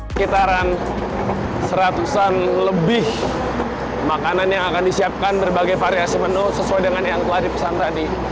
sekitaran seratusan lebih makanan yang akan disiapkan berbagai variasi menu sesuai dengan yang telah dipesan tadi